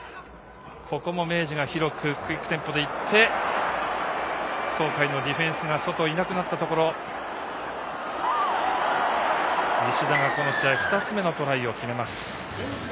ここも明治が広くクイックテンポでいって東海のディフェンスが外、いなくなったところ石田が、この試合２つ目のトライを決めます。